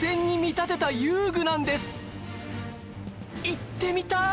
行ってみたい！